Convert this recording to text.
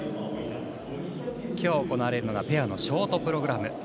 きょう、行われるのがペアのショートプログラム。